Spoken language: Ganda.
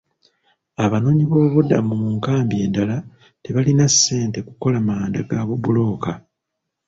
Abanoonyiboobubudamu mu nkambi endala tebalina ssente kukola manda ga bubulooka.